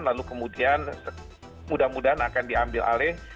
lalu kemudian mudah mudahan akan diambil alih